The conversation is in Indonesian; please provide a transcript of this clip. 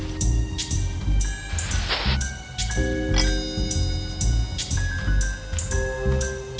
kau hanya ingin mengetahui kebenaran